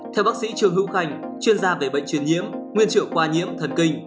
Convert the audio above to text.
theo bác sĩ trương hữu khanh chuyên gia về bệnh chuyên nhiễm nguyên trựa qua nhiễm thần kinh